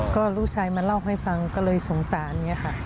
ก็ลูกชายมาเล่าให้ฟังก็เลยสงสาร